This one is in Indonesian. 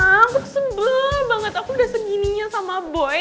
aku semble banget aku udah segininya sama boy